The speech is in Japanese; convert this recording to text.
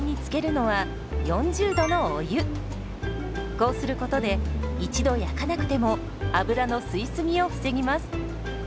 こうすることで一度焼かなくても油の吸い過ぎを防ぎます。